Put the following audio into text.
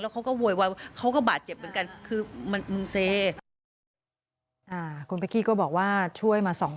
แล้วเขาก็โวยวันเขาก็บาดเจ็บเหมือนกัน